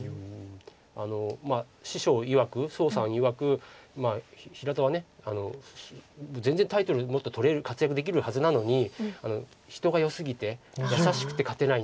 師匠いわく宋さんいわく「平田は全然タイトルもっと取れる活躍できるはずなのに人がよすぎて優しくて勝てないんだ。